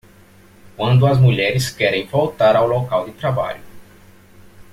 Quando as mulheres querem voltar ao local de trabalho